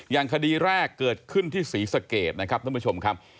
อย่างคดีแรกเกิดขึ้นที่ศรีสะเกดนะครับท่านผู้ชมครับ